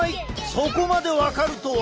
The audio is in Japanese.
そこまで分かるとは！